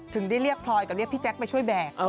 ถึงได้เรียกพลอยกับเรียกพี่แจ๊คไปช่วยแบก